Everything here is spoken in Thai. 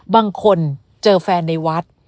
บางคนเจอแฟนในวัด